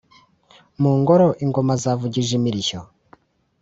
mu ngoro, ingoma zavugije imirishyo?»